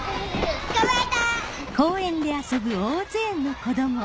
捕まえた！